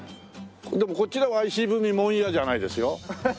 でもこちらは「いしぶみもんや」じゃないですよ。